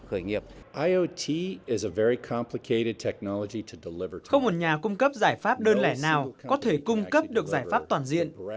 không nhà cung cấp giải pháp đơn lẻ nào có thể cung cấp được giải pháp toàn diện